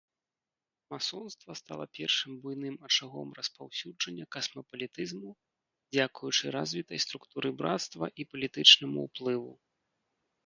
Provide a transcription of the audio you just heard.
Масонства стала першым буйным ачагом распаўсюджання касмапалітызму дзякуючы развітай структуры брацтва і палітычнаму ўплыву.